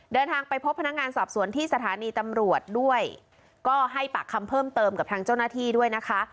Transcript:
เดินทางไปพบพนักงานสอบสวนที่สถานีตำรวจด้วยก็ให้ปากคำเพิ่มเติมกับทางเจ้าหน้าที่ด้วยนะคะ